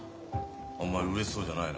あんまりうれしそうじゃないな。